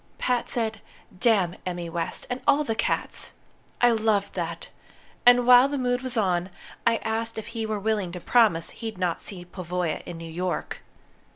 Pat said 'Damn Emmy West and all the cats!' I loved that! And while the mood was on, I asked if he were willing to promise he'd not see Pavoya in New York.